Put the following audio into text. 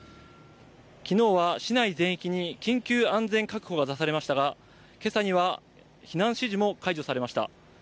昨日は市内全域に緊急安全確保が出されましたが、今朝には避難指示も解除されました。